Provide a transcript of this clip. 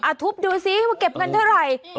อ่ะทุบดูซิมาเก็บกันเท่าไร